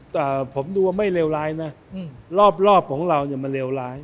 แต่ผมดูว่าไม่เลวร้ายนะรอบของเราเนี่ยมันเลวร้าย